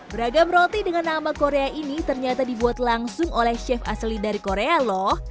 beragam roti dengan nama korea ini ternyata dibuat langsung oleh chef asli dari korea loh